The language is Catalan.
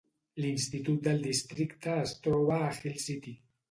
L"institut del districte es troba a Hill City.